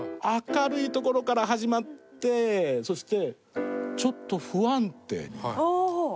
明るいところから始まってそして、ちょっと不安定になる。